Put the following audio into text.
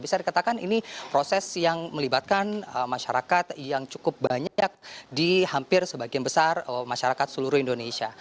bisa dikatakan ini proses yang melibatkan masyarakat yang cukup banyak di hampir sebagian besar masyarakat seluruh indonesia